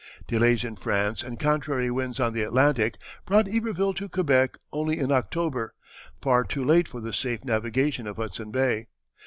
Delays in France and contrary winds on the Atlantic brought Iberville to Quebec only in October, far too late for the safe navigation of Hudson Bay.